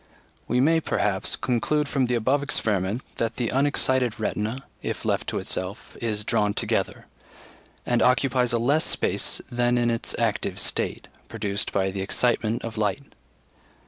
We may, perhaps, conclude from the above experiment (16) that the unexcited retina, if left to itself, is drawn together, and occupies a less space than in its active state, produced by the excitement of light.